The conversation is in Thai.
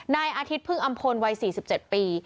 นายอาทิตย์พึ่งอำพลวัย๔๗ปี